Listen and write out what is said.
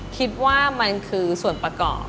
คิดว่ามันคือส่วนประกอบ